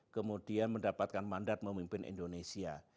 kemudian mendapatkan mandat memimpin indonesia